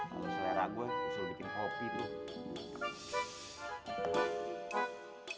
kalau selera gue bisa bikin hobbit